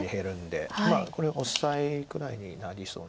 まあこれオサエぐらいになりそうな。